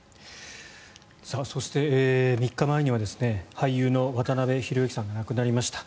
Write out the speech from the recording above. そして、３日前には俳優の渡辺裕之さんが亡くなりました。